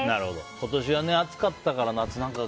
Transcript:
今年は暑かったから夏なんかは。